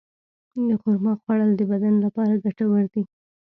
د خرما خوړل د بدن لپاره ګټور دي.